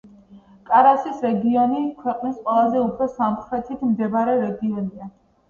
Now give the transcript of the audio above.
კარასის რეგიონი ქვეყნის ყველაზე უფრო სამხრეთით მდებარე რეგიონია.